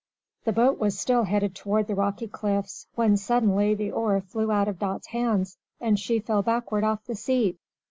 The boat was still headed toward the rocky cliffs, when suddenly the oar flew out of Dot's hands and she fell backward off the seat.